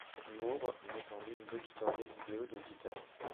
Moore met en ligne deux tutoriels vidéo de guitare.